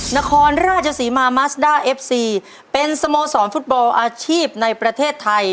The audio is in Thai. นครราชศรีมามัสด้าเอฟซีเป็นสโมสรฟุตบอลอาชีพในประเทศไทย